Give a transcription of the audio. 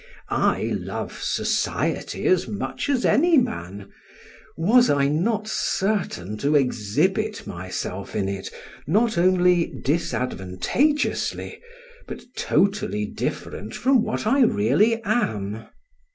I love society as much as any man, was I not certain to exhibit myself in it, not only disadvantageously, but totally different from what I really am.